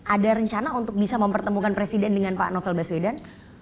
ada rencana untuk bisa mempertemukan presiden dengan pak novel baswedan